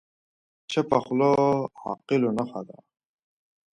چپه خوله، د عاقلو نښه ده.